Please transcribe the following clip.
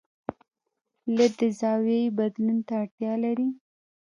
لید د زاویې بدلون ته اړتیا لري.